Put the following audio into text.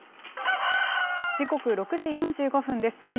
時刻６時４５分です。